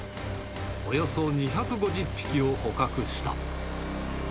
およそ２５０匹を捕獲した。